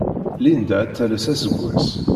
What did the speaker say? Linda ad tales aseggas!